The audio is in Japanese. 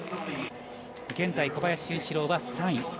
現在、小林潤志郎は３位。